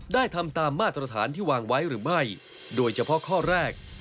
ทำตามมาตรฐานที่วางไว้หรือไม่โดยเฉพาะข้อแรก